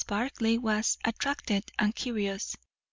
Barclay was attracted, and curious.